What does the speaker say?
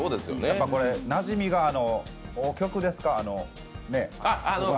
やっぱりこれ、なじみが、曲ですか、あの